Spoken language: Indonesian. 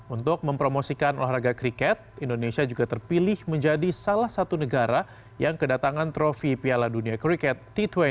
untuk mempromosikan olahraga kriket indonesia juga terpilih menjadi salah satu negara yang kedatangan trofi piala dunia kriket t dua puluh